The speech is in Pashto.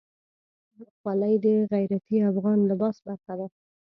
خولۍ د غیرتي افغان لباس برخه ده.